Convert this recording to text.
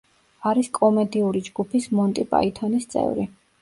არის კომედიური ჯგუფის მონტი პაითონის წევრი.